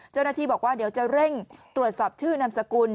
เจ้าหน้าที่บอกว่าเดี๋ยวจะเร่งตรวจสอบชื่อนามสกุล